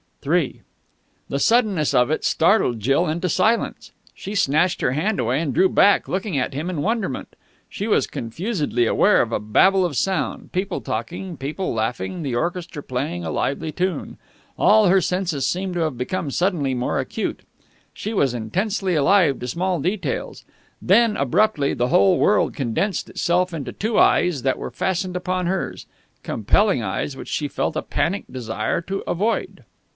III The suddenness of it startled Jill into silence. She snatched her hand away and drew back, looking at him in wonderment. She was confusedly aware of a babble of sound people talking, people laughing, the orchestra playing a lively tune. All her senses seemed to have become suddenly more acute. She was intensely alive to small details. Then, abruptly, the whole world condensed itself into two eyes that were fastened upon hers compelling eyes which she felt a panic desire to avoid.